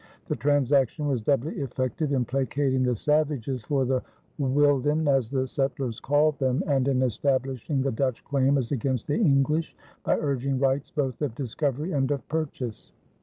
The transaction was doubly effective in placating the savages, or the wilden, as the settlers called them, and in establishing the Dutch claim as against the English by urging rights both of discovery and of purchase.